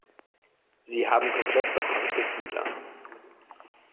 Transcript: Sie haben komplett behaarte Fühler.